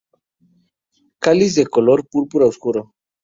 Cáliz de color púrpura oscuro.